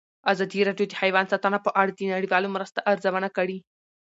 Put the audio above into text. ازادي راډیو د حیوان ساتنه په اړه د نړیوالو مرستو ارزونه کړې.